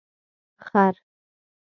🫏 خر